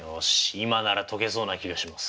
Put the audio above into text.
今なら解けそうな気がします。